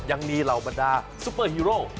ยังมีเหล่าบรรดาซุปเปอร์ฮีโร่